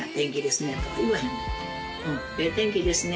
「ええ天気ですね」